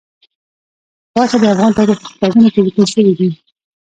غوښې د افغان تاریخ په کتابونو کې ذکر شوی دي.